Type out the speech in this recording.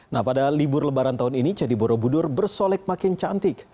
nah pada libur lebaran tahun ini candi borobudur bersolek makin cantik